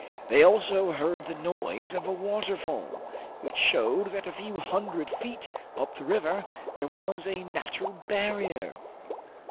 They also heard the noise of a waterfall, which showed that a few hundred feet up the river there was a natural barrier.